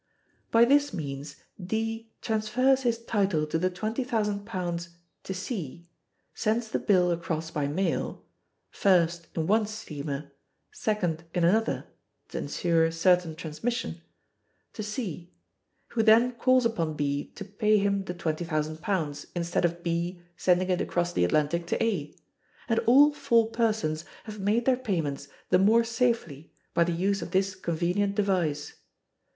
By this means D transfers his title to the £20,000 to C, sends the bill across by mail ("first" in one steamer, "second" in another, to insure certain transmission) to C, who then calls upon B to pay him the £20,000 instead of B sending it across the Atlantic to A; and all four persons have made their payments the more safely by the use of this convenient device.